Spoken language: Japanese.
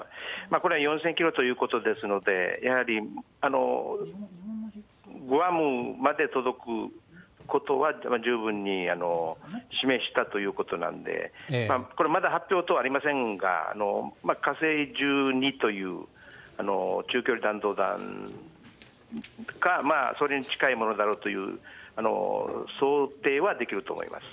これは４０００キロということですので、やはりグアムまで届くことは十分に示したということなんで、まだ発表等はありませんが、火星１２という中距離弾道弾か、それに近いものだろうという想定はできると思います。